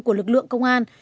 của lực lượng công an